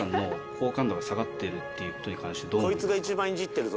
こいつが一番イジってるぞ。